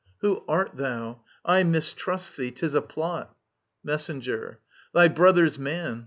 Who art thou ? I mistrust thee. .•• *Tis a plot I Messenger. Thy brother's man.